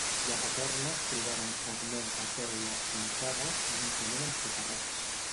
I a Paterna es trobaren fragments de teules pintades juntament amb socarrats.